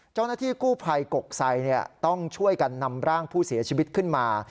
เจ้าหน้าที่กู้ภัยกกไซต้องช่วยกันนำร่างผู้เสียชีวิตขึ้นมา